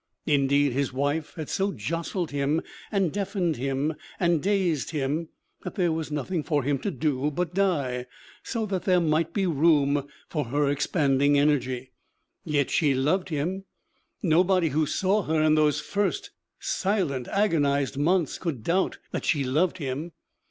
Indeed, his wife had so jostled him and deafened him and dazed him that there was nothing for him to do but die so that there might be room for her expanding energy. Yet she loved him; nobody who saw her in those first silent, agonized months could doubt that she loved him.